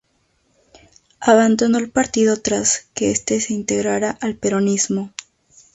Abandonó el partido tras que este se integrara al peronismo.